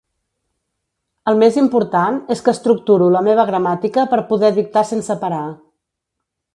El més important és que estructuro la meva gramàtica per poder dictar sense parar.